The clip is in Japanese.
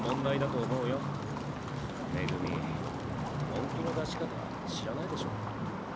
本気の出し方知らないでしょ？